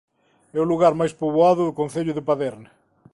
É o lugar máis poboado do concello de Paderne.